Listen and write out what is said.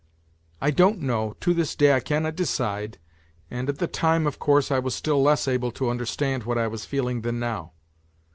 I don't know, to this day I cannot decide, and at the time, of course, I was still less able to understand what I was feeling than now.